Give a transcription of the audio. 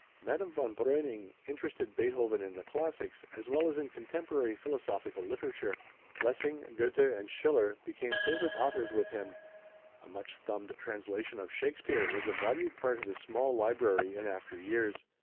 Madame von Breuning interested Beethoven in the classics, as well as in contemporary philosophical literature. Lessing, Goethe and Schiller became favorite authors with him. A much thumbed translation of Shakespeare was a valued part of his small library in after years.